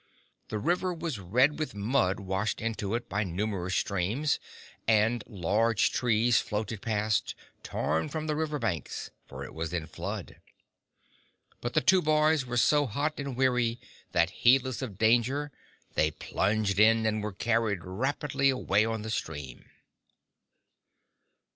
The river was red with the mud washed into it by numerous streams, and large trees floated past, torn from the river banks, for it was in flood. But the two boys were so hot and weary, that, heedless of danger, they plunged in, and were carried rapidly away on the stream.